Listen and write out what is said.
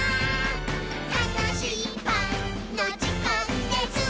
「たのしいパンのじかんです！」